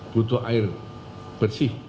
butuh air bersih